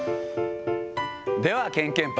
ではけんけんぱ。